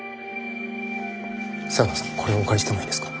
茶川さんこれをお借りしてもいいですか？